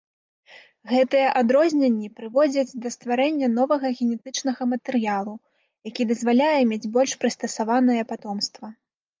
Гэтыя адрозненні прыводзяць да стварэння новага генетычнага матэрыялу, які дазваляе мець больш прыстасаванае патомства.